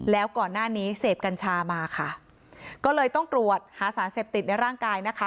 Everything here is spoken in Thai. แล้วก่อนหน้านี้เสพกัญชามาค่ะก็เลยต้องตรวจหาสารเสพติดในร่างกายนะคะ